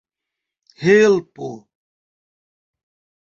helpo